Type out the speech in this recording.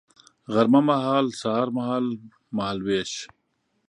غرمه مهال سهار مهال ، مهال ویش